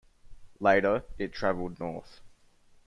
Later, it traveled north.